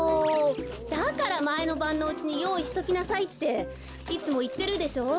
だからまえのばんのうちによういしときなさいっていつもいってるでしょう？